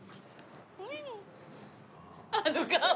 あの顔。